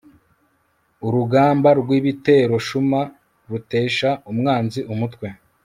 urugamba rw'ibiteroshuma rutesha umwanzi umutwe